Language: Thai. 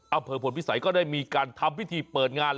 อำเภอผลพิสัยก็ได้มีการทำพิธีเปิดงาน